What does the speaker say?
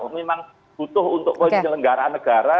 memang butuh untuk kewajiban negara negara